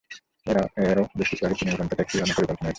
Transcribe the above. এরও বেশ কিছু আগে চীনে উড়ন্ত ট্যাক্সি ওড়ানোর পরিকল্পনা নেওয়া হয়েছিল।